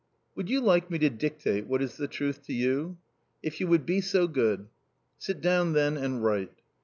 " Would you like me to dictate what is the truth to you ?"" If you would be so good." " Sit down then and write."